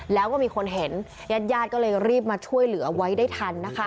แล้วก็มีคนเห็นญาติญาติก็เลยรีบมาช่วยเหลือไว้ได้ทันนะคะ